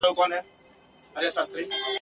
یو پر بل به یې حملې سره کولې !.